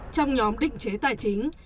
trong nhóm định chế tài chính